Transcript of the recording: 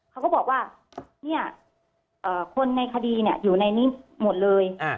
เขาก็บอกว่าเนี่ยคนในคดีอยู่ในนี้หมดเลย